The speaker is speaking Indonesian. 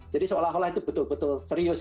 jadi seolah olah itu betul betul serius